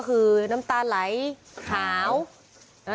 คือไม่ห่วงไม่หาวแล้วไป